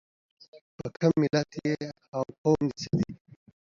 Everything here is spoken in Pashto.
دچا په ملت یي؟